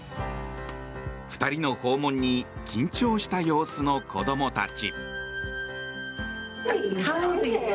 ２人の訪問に緊張した様子の子供たち。